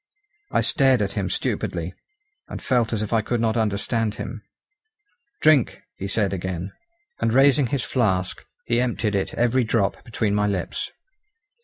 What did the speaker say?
I stared at, him stupidly, and felt as if I could not understand him. "Drink!" he said again. And raising his flask he emptied it every drop between my lips.